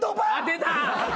出た。